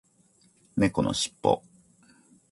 猫のしっぽ